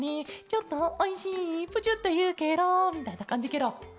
「ちょっとおいしいプチュッというケロ」みたいなかんじケロ。